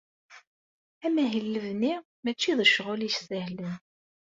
Amahil n lebni mačči d ccɣel isehlen.